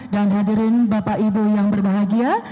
dan hadirin bapak ibu yang berbahagia